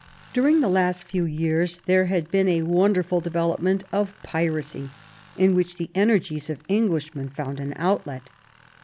During the last few years there had been a wonder ful development of piracy, in which the energies of Englishmen found an outlet.